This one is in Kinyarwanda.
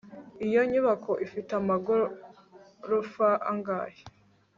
iyo nyubako ifite amagorofa angahe